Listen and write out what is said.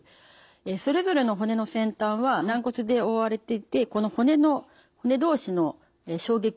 それぞれの骨の先端は軟骨で覆われていてこの骨同士の衝撃を吸収しています。